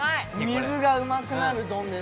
水がうまくなる丼です。